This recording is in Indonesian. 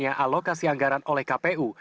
alokasi anggaran oleh kpu